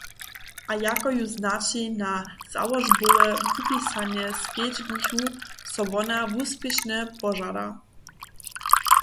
A jako ju znaći na załožbowe wupisanje skedźbnichu, so wona wuspěšnje požada.